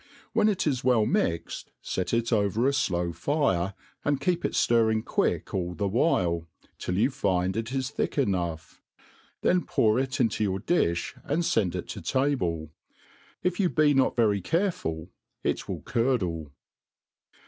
\Yhen it is V^cll mixed, fet it over a flow fire, and keep it (lirring quick all the vvhile, till you find it is thick enough ; then pour ic into your diih, and fend it to table. If you be not very ^areful, it will curdle.